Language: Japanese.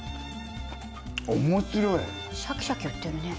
面白いシャキシャキいってるね